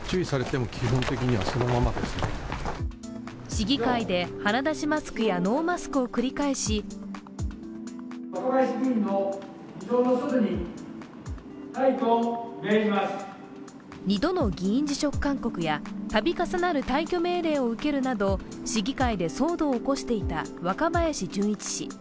市議会で鼻出しマスクやノーマスクを繰り返し２度の議員辞職勧告やたび重なる退去命令を受けるなど市議会で騒動を起こしていた若林純一氏。